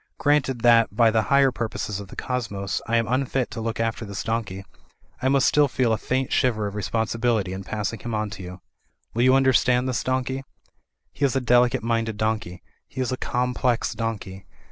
Granted that, by the higher purposes of the cosmos, I am unfit to look after this donkey, I must still feel a faint shiver of responsibility in passing him on to yog.^ Wi^' 176 THE FLYING INN you understand this donkey? He is a delicate minded donkey. He is a complex donkey.